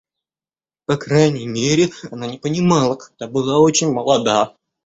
По крайней мере, она не понимала, когда была очень молода.